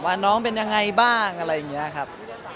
ว่าน้องเป็นยังไงบ้างอะไรอย่างนี้ครับ